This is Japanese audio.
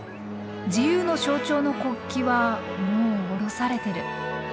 自由の象徴の国旗はもう降ろされてる。